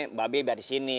mbak be biar disini